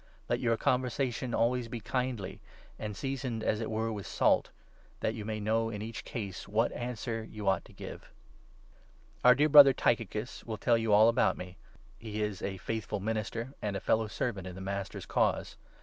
Let your conversation 6 always be kindly, and seasoned, as it were, with salt ; that you may know in each case what answer you ought to give. V. — CONCLUSION. The Bearers ^ear Brother, Tychicus, will tell you all or the about me. He is a faithful minister, and a fellow Letter, servant in the Master's cause.